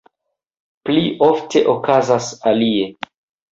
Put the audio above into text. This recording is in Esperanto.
Pli ofte okazas alie.